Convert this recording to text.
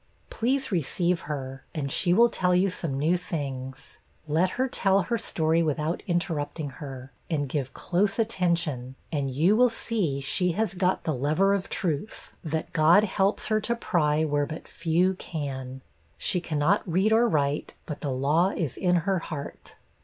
Please receive her, and she will tell you some new things. Let her tell her story without interrupting her, and give close attention, and you will see she has got the lever of truth, that God helps her to pry where but few can. She cannot read or write, but the law is in her heart.